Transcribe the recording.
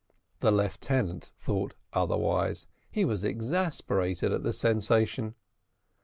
The lieutenant thought otherwise; he was exasperated at this sensation.